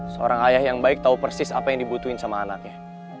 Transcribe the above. seorang ayah yang baik tahu persis apa yang dibutuhin sama anaknya